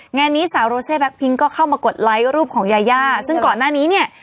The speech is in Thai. งานนี้สาวโรเซแล็คพิงก็เข้ามากดไลค์รูปของยาย่าซึ่งก่อนหน้านี้เนี่ย